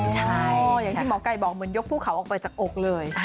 ใช่อย่างที่หมอไก่บอกเหมือนยกภูเขาออกไปจากอกเลย